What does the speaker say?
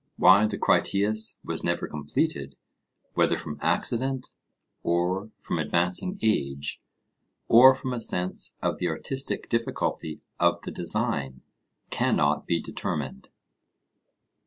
Why the Critias was never completed, whether from accident, or from advancing age, or from a sense of the artistic difficulty of the design, cannot be determined.